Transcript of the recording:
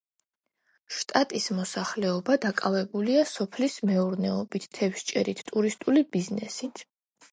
შტატის მოსახლეობა დაკავებულია სოფლის მეურნეობით, თევზჭერით, ტურისტული ბიზნესით.